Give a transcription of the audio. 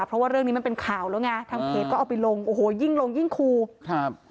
เพราะว่าเรื่องนี้มันเป็นข่าวแล้วไงทางเพจก็เอาไปลงโอ้โหยิ่งลงยิ่งคูครับ